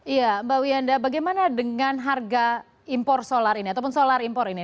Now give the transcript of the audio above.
iya mbak wiyanda bagaimana dengan harga impor solar ini ataupun solar impor ini